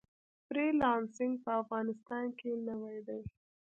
فری لانسینګ په افغانستان کې نوی دی